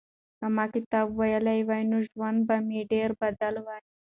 که ما مکتب ویلی وای نو ژوند به مې ډېر بدل وای.